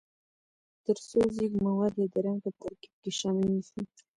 ترڅو ځیږ مواد یې د رنګ په ترکیب کې شامل نه شي.